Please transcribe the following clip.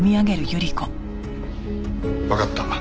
わかった。